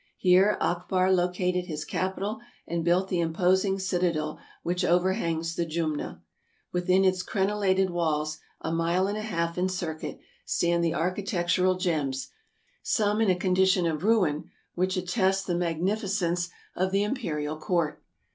Here Akbar located his capital and built the imposing citadel which overhangs the Jumna. Within its crenelated walls, a mile and a half in circuit, stand the architectural gems, some in a condition of ruin, which attest the magnificence of 314 TRAVELERS AND EXPLORERS the imperial court.